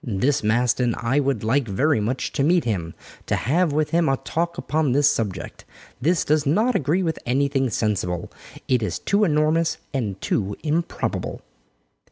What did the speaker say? This Maston, I would like very much to meet him to have with him a talk upon this subject. This does not agree with anything sensible, it is too enormous and too improbable."